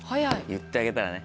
言ってあげたらね。